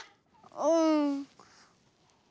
うん。